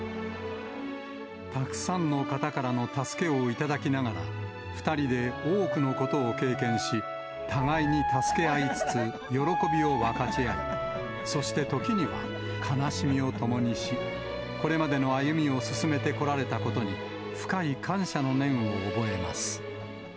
たくさんの方からの助けを頂きながら、２人で多くのことを経験し、互いに助け合いつつ喜びを分かち合い、そして時には悲しみを共にし、これまでの歩みを進めてこられたことに、深い感謝の念を覚えます。